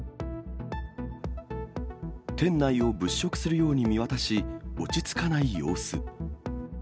店内を物色するように見渡し、落ち着かない様子。